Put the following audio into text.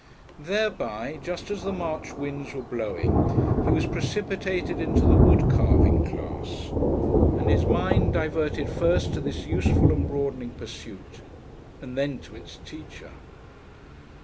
Thereby just as the March winds were blowing he was precipitated into the wood carving class, and his mind diverted first to this useful and broadening pursuit, and then to its teacher.